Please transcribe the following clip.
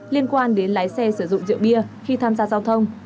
liên quan đến lái xe sử dụng rượu bia khi tham gia giao thông